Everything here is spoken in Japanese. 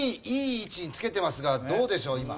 いい位置につけてますがどうでしょう？